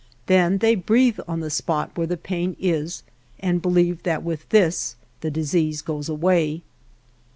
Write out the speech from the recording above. Then they breathe on the spot where the pain is and believe that with this the disease goes away.